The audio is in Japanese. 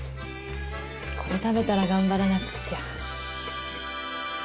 これ食べたら頑張らなくっちゃ。